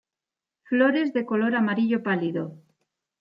Flores de color amarillo pálido.